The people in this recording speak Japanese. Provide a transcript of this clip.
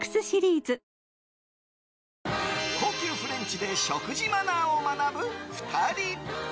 高級フレンチで食事マナーを学ぶ２人。